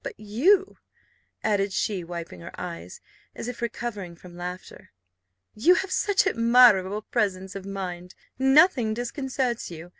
But you," added she, wiping her eyes, as if recovering from laughter, "you have such admirable presence of mind, nothing disconcerts you!